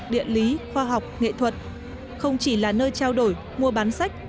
điện lý khoa học nghệ thuật không chỉ là nơi trao đổi mua bán sách